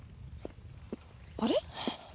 あれ？